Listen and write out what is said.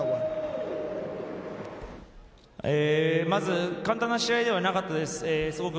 まず、簡単な試合ではなかったです。